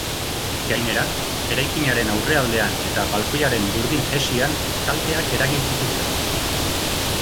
Gainera, eraikinaren aurrealdean eta balkoiaren burdin hesian kalteak eragin zituzten.